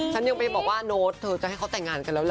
ฉันยังไปบอกว่าโน้ตเธอจะให้เขาแต่งงานกันแล้วเหรอ